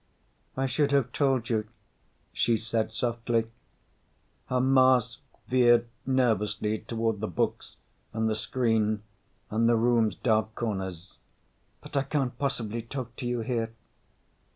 "I should have told you," she said softly. Her mask veered nervously toward the books and the screen and the room's dark corners. "But I can't possibly talk to you here."